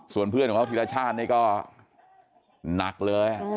ส่วนเพื่อนของเขาธีรชาตินี่ก็หนักเลย